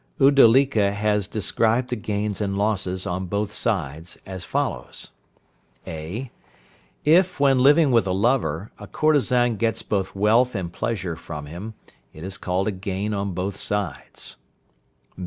Uddalika has described the gains and losses on both sides as follows. (a). If, when living with a lover, a courtesan gets both wealth and pleasure from him, it is called a gain on both sides.